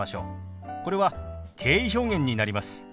これは敬意表現になります。